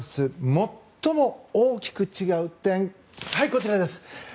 最も大きく違う点はい、こちらです。